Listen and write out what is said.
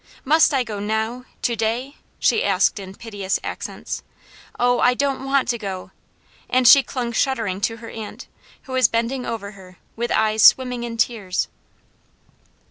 Must I go now? to day?" she asked in piteous accents. "Oh! I don't want to go!" and she clung shuddering to her aunt, who was bending over her, with eyes swimming in tears.